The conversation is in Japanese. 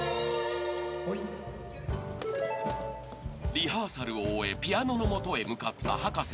［リハーサルを終えピアノの元へ向かった葉加瀬さん］